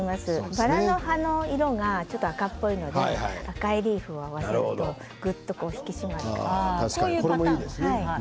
バラの葉の色がちょっと赤っぽいので赤いリーフを合わせるとぐっと引き締まると思います。